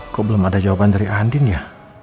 kok belum ada jawaban dari andin ya